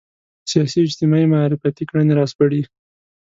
سیاسي اجتماعي معرفتي کړنې راسپړي